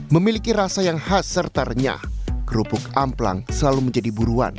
memiliki rasa yang khas serta renyah kerupuk amplang selalu menjadi buruan